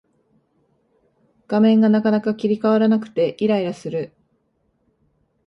画面がなかなか切り替わらなくてイライラする